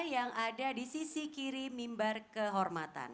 yang ada di sisi kiri mimbar kehormatan